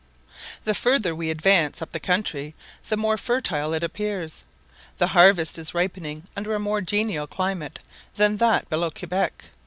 The further we advance up the country the more fertile it appears. The harvest is ripening under a more genial climate than that below Quebec.